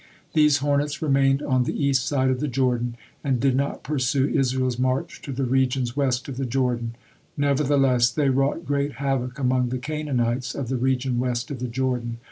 These hornets remained on the east side of the Jordan, and did not pursue Israel's march to the regions west of the Jordan, nevertheless they wrought great havoc among the Canaanites of the region west of the Jordan.